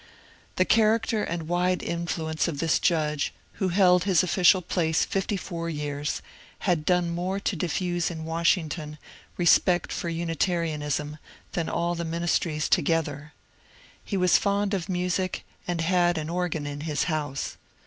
The character and wide influence of this judge, who held his official place fifty four years, had done more to diffuse in Washington respect for Unitarianism than all the ministers together. He was fond of music, and had an organ in his house.